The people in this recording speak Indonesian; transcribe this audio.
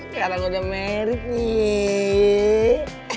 sekarang udah married nih